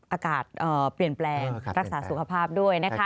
อากาศเปลี่ยนแปลงรักษาสุขภาพด้วยนะคะ